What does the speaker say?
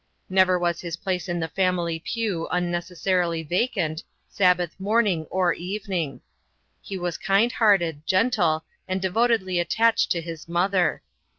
Never was his place in the family pew unnecessarily vacant, Sabbath morning or evening. He was kind hearted, gentle, and devotedly attached to his mother.